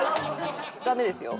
ダメですよ。